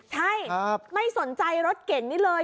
ใช่ไม่สนใจรถเก่งนี้เลย